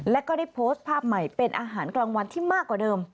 และก็ได้โพสต์ภาพใหม่เป็นอาหารกลางวันที่มากกว่าเดิม